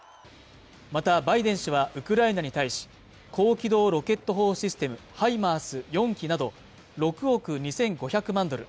またバイデン氏はウクライナに対し高機動ロケット砲システムハイマース４基など６億２５００万ドル